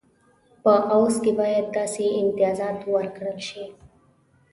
په عوض کې باید داسې امتیازات ورکړل شي.